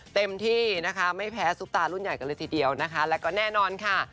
เต็มที่นะคะไม่แพ้ซุปตารุ่นใหญ่กันเลยทีเดียวนะคะแล้วก็แน่นอนค่ะ